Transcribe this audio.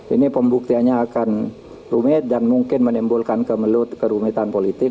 ini pembuktiannya akan rumit dan mungkin menimbulkan kemelut kerumitan politik